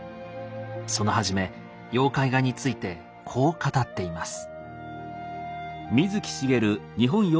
その初め妖怪画についてこう語っています。